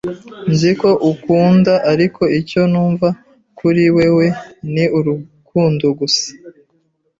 Nzi ko unkunda, ariko icyo numva kuri wewe ni urukundo gusa.